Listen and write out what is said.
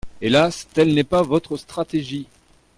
Hélas, telle n’est pas votre stratégie.